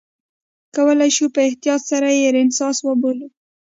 کولای شو په احتیاط سره یې رنسانس وبولو.